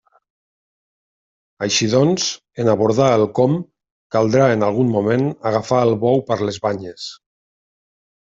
Així doncs, en abordar el «com» caldrà en algun moment agafar el bou per les banyes.